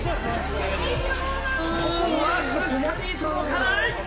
僅かに届かない。